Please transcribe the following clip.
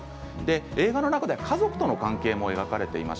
映像の中で家族の関係が描かれています。